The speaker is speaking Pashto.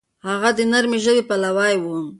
هغه د نرمې ژبې پلوی و.